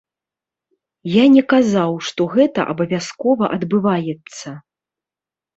Я не казаў, што гэта абавязкова адбываецца.